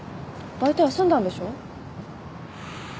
バイト休んだんでしょ？